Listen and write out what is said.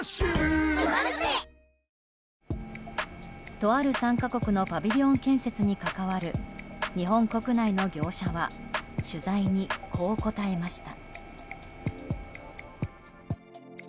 とある参加国のパビリオン建築に関わる日本国内の業者は取材にこう答えました。